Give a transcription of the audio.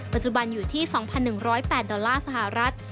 ปัจจุบันอยู่ที่๒๑๐๘ดอลลาร์สหรัฐ